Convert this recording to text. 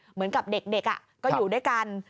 เหมือนกับเด็กก็อยู่ด้วยกัน